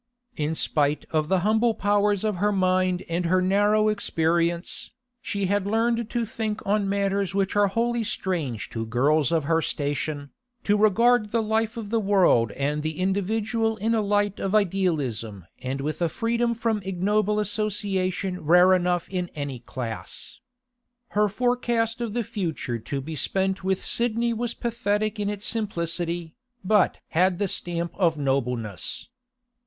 In spite of the humble powers of her mind and her narrow experience, she had learned to think on matters which are wholly strange to girls of her station, to regard the life of the world and the individual in a light of idealism and with a freedom from ignoble association rare enough in any class. Her forecast of the future to be spent with Sidney was pathetic in its simplicity, but had the stamp of nobleness.